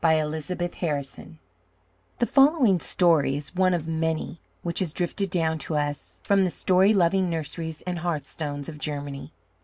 ELIZABETH HARRISON The following story is one of many which has drifted down to us from the story loving nurseries and hearthstones of Germany.